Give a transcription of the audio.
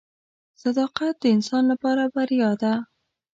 • صداقت د انسان لپاره بریا ده.